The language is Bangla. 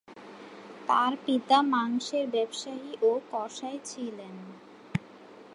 তার পিতা মাংসের ব্যবসায়ী ও কসাই ছিলেন।